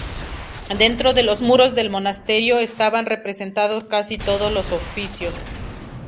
Dentro de los muros del monasterio estaban representados casi todos los oficios.